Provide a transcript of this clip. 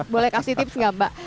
boleh kasih tips nggak mbak